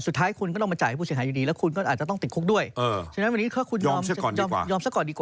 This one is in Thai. สุดท้ายคุณก็ต้องมาจ่ายให้ผู้เศรษฐ์อยู่ดีเย็น